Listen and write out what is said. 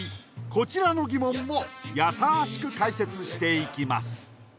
こちらの疑問もやさしく解説していきます